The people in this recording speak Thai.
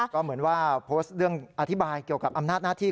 ก็เหมือนว่าโพสต์เรื่องอธิบายเกี่ยวกับอำนาจหน้าที่